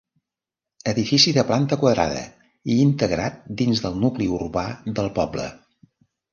Edifici de planta quadrada i integrat dins del nucli urbà del poble.